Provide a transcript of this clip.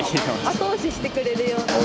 後押ししてくれるような。